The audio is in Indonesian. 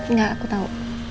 nggak aku tau